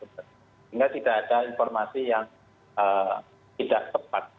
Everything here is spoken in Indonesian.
sehingga tidak ada informasi yang tidak tepat